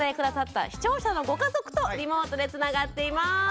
下さった視聴者のご家族とリモートでつながっています。